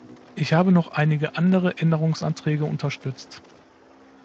Ich habe noch einige andere Änderungsanträge unterstützt.